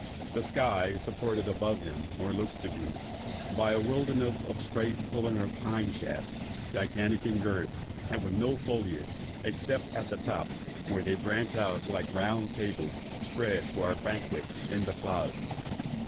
The sky is supported above him, (or looks to be,) by a wilderness of straight columnar pine shafts, gigantic in girth, and with no foliage except at the top, where they branch out like round tables spread for a banquet in the clouds.